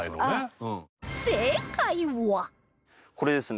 これですね。